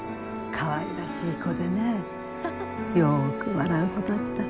かわいらしい子でねよく笑う子だった。